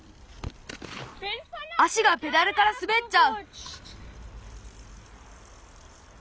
足がペダルからすべっちゃう！